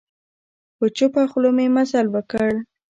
په چوپه خوله مي مزل وکړ .